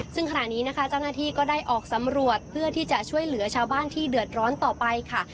ซึ่งขณะนี้นะคะเจ้าหน้าที่ก็ได้ออกสำรวจเพื่อที่จะช่วยเหลือชาวบ้านที่เดือดร้อนต่อไปค่ะ